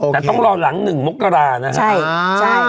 แต่ต้องรอหลัง๑มกรานะครับ